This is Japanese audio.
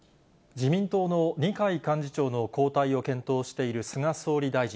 自民党の二階幹事長の交代を検討している菅総理大臣。